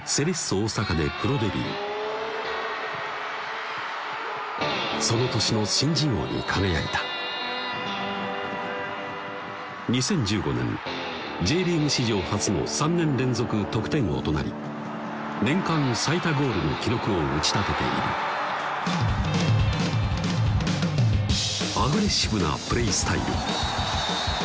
大阪でプロデビューその年の新人王に輝いた２０１５年Ｊリーグ史上初の３年連続得点王となり年間最多ゴールの記録を打ち立てているアグレッシブなプレースタイル